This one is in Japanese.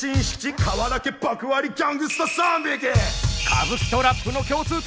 歌舞伎とラップの共通点をご紹介。